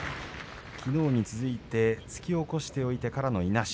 きのうに続いて突き起こしておいてからのいなし。